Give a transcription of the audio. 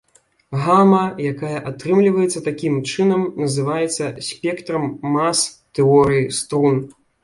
Гама, якая атрымліваецца такім чынам, называецца спектрам мас тэорыі струн.